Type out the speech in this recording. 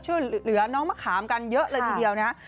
อยากเลือกเฉยเหลือน้องมะขามกันเยอะเลยทีเดียวนะครับ